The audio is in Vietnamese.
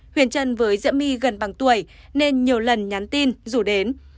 huyền trân với diễm my gần bằng tuổi nên nhiều lần nhắn tin rủ đến